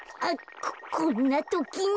ここんなときに。